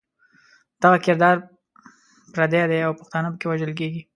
دغه کردار پردی دی او پښتانه پکې وژل کېږي.